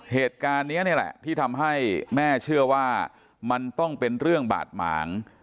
เหตุการณ์นี้นี่แหละที่ทำให้แม่เชื่อว่ามันต้องเป็นเรื่องบาดหมาง